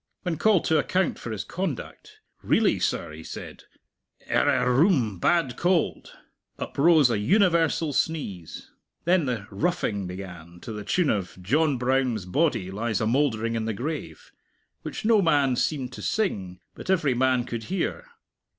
When called to account for his conduct, "Really, sir," he said, "er er oom bad cold!" Uprose a universal sneeze. Then the "roughing" began, to the tune of "John Brown's body lies a mouldering in the grave" which no man seemed to sing, but every man could hear.